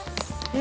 え。